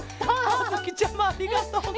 あづきちゃまありがとう。